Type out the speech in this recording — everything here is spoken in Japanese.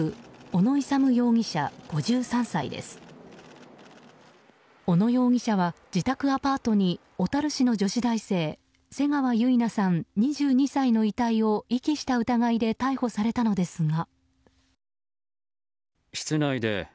小野容疑者は、自宅アパートに小樽市の女子大生瀬川結菜さん、２２歳の遺体を遺棄した疑いで逮捕されたのですが。